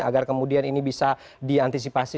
agar kemudian ini bisa diantisipasi